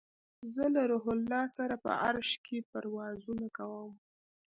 زه له روح الله سره په عرش کې پروازونه کوم